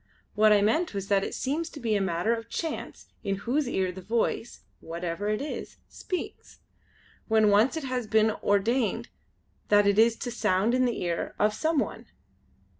What I meant was that it seems to be a matter of chance in whose ear the Voice whatever it is speaks; when once it has been ordained that it is to sound in the ear of some one."